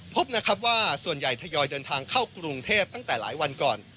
พบนะครับว่าส่วนใหญ่ทยอยเดินทางเข้ากรุงเทพตั้งแต่หลายวันก่อน